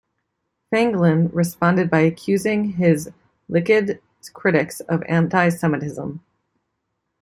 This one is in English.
Feiglin responded by accusing his Likud critics of "anti-Semitism".